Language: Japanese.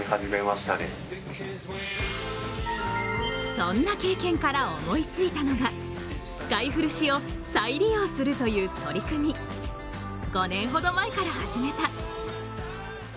そんな経験から思いついたのが、使い古しを再利用するという取り組み５年ほど前から始めた。